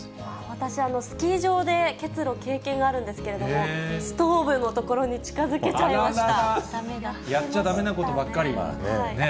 私、スキー場で結露、経験あるんですけれども、ストーブの所に近づけちゃいました。